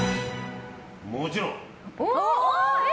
もちろん！